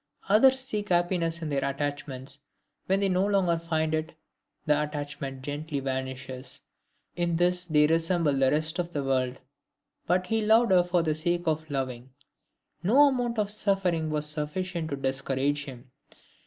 Others seek happiness in their attachments; when they no longer find it, the attachment gently vanishes. In this they resemble the rest of the world. But he loved for the sake of loving. No amount of suffering was sufficient to discourage him.